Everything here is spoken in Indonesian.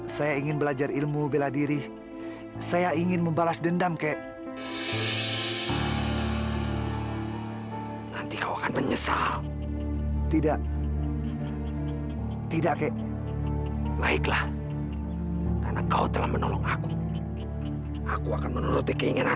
sampai jumpa di video selanjutnya